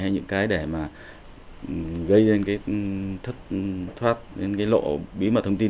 hay những cái để mà gây lên cái thất thoát lên cái lộ bí mật thông tin